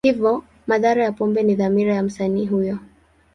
Hivyo, madhara ya pombe ni dhamira ya msanii huyo.